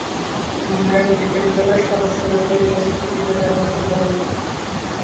England cricket দলের সদস্যরূপে test ক্রিকেটে অংশগ্রহণ করেন।